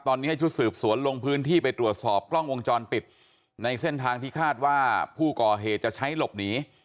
ตอนนี้ให้ชุดสืบสวนลงพื้นที่ไปตรวจสอบกล้องวงจรปิดในเส้นทางที่คาดว่าผู้ก่อเหตุจะใช้หลบหนี